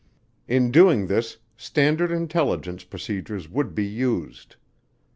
In doing this, standard intelligence procedures would be used.